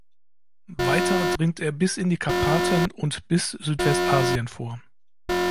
Weiter dringt er bis in die Karpaten und bis Südwest-Asien vor.